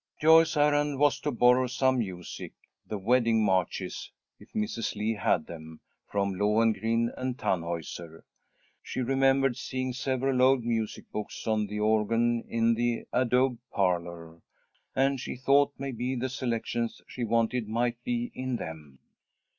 Joyce's errand was to borrow some music, the wedding marches, if Mrs. Lee had them, from Lohengrin and Tannhauser. She remembered seeing several old music books on the organ in the adobe parlour, and she thought maybe the selections she wanted might be in them.